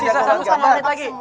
bisa satu setengah menit lagi